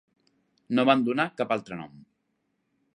No van donar cap altre nom.